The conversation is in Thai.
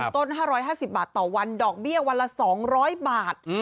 ต้น๕๕๐บาทต่อวันดอกเบี้ยวันละ๒๐๐บาท